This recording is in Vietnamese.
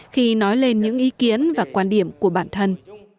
khi nói lên những ý kiến và quan điểm của bản thân